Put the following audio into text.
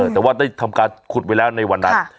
แต่ว่าได้ทำการขุดไว้แล้วในวันนั้น